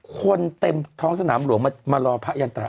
คนเต็มท้องสนามหลวงมารอพระยันตา